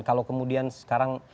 kalau kemudian sekarang